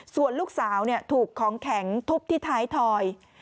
ส่วนลูกสาวถูกของแข็งทุบที่ท้ายถอย